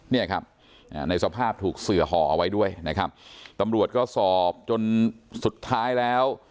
เนี่ยครับในสภาพถูกเสือห่อเอาไว้ด้วยนะครับตำรวจก็สอบจนสุดท้ายแล้ว